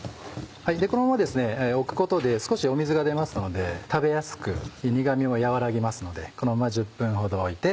このままですね置くことで少し水が出ますので食べやすく苦味も和らぎますのでこのまま。